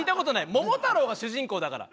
桃太郎が主人公だから。